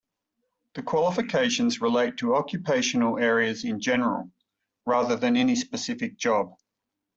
The qualifications relate to occupational areas in general, rather than any specific job.